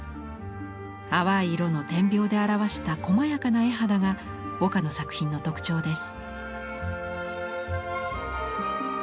淡い色の点描で表したこまやかな絵肌が岡の作品の特徴です。